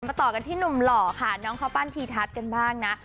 ต่อกันที่หนุ่มหล่อค่ะน้องข้าวปั้นทีทัศน์กันบ้างนะ